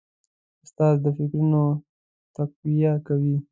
استاد د فکرونو تقویه کوي.